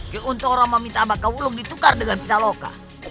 kiuntoro meminta obakawulu ditukar dengan pitaloka